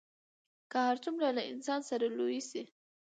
که هر څومره له انسانه سره لوی سي